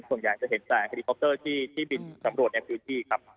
ส่วนใหญ่จะเห็นแต่เฮลิคอปเตอร์ที่บินสำรวจในพื้นที่ครับ